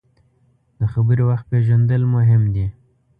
د خبرې وخت پیژندل مهم دي.